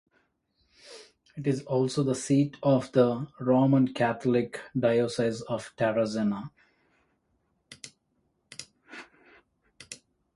It is also the seat of the Roman Catholic Diocese of Tarazona.